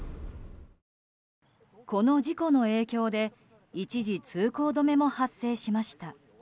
この事故の影響で一時、通行止めも発生しました。